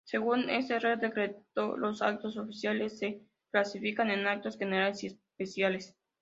Según este real decreto, los actos oficiales se clasifican en actos generales y especiales.